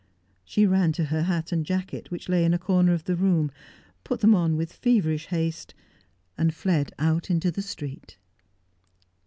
She ran to her hat and jacket, which lay in a corner of the room, put them on with feverish haste, and fled out into the street.